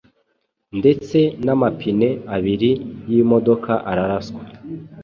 ndetse n’amapine abiri y’imodoka araraswa.